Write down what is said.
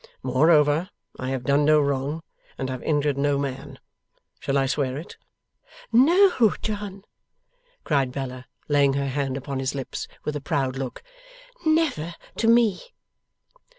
Moreover, I have done no wrong, and have injured no man. Shall I swear it?' 'No, John!' cried Bella, laying her hand upon his lips, with a proud look. 'Never to me!